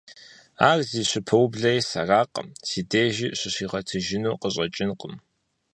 Ар зи щыпэублэр сэракъым, си дежи щыщигъэтыжыну къыщӀэкӀынкъым.